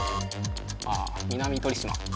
ああ南鳥島。